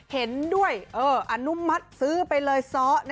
เห็นด้วยอนุมัติซื้อไปเลยซ้อ